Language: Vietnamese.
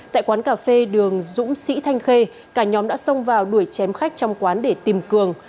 tại quán cà phê đường dũng sĩ thanh khê cả nhóm đã xông vào đuổi chém khách trong quán để tìm cường